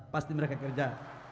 pasti mereka kerja